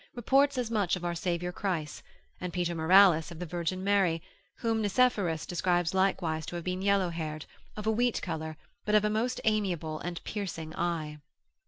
reports as much of our Saviour Christ, and Peter Morales of the Virgin Mary, whom Nicephorus describes likewise to have been yellow haired, of a wheat colour, but of a most amiable and piercing eye.